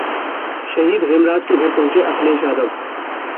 शहीद हेमराज के घर पहुंचे अखिलेश यादव